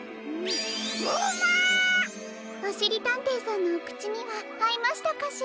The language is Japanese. おしりたんていさんのおくちにはあいましたかしら？